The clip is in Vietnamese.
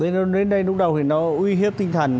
nó đến đây lúc đầu thì nó uy hiếp tinh thần